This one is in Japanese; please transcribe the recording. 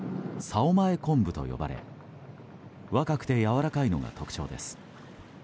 前昆布と呼ばれ若くてやわらかいのが特徴です。